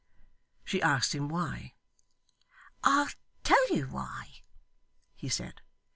She asked him why? 'I'll tell you why,' he said.